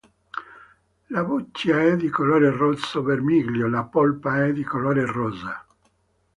La buccia è di colore rosso vermiglio, la polpa è di colore rosa.